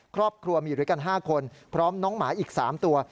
ครอบครัวมีอยู่ด้วยกัน๕คนพร้อมน้องหมาอีก๓ตัว